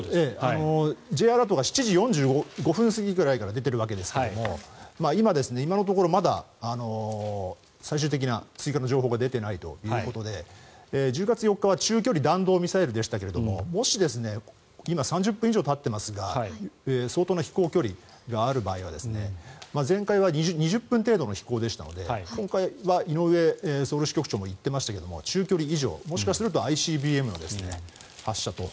Ｊアラートが７時４５分ごろから出ているわけですが今のところまだ最終的な追加の情報が出てないということで１０月４日は中距離弾道ミサイルでしたがもし今、３０分以上たっていますが相当な飛行距離がある場合は前回は２０分程度の飛行でしたので今回は井上ソウル支局長も言っていましたが中距離以上もしかするとＩＣＢＭの発射と。